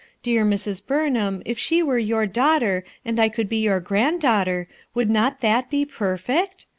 Dear Mrs. Burnham, if she were your daughter and I could be your granddaughter, would not that be perfect?